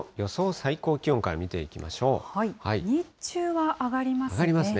最高気温から日中は上がりますね。